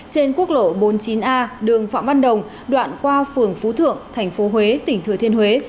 trên quốc lộ bốn mươi chín a đường phạm văn đồng đoạn qua phường phú thượng tp huế tỉnh thừa thiên huế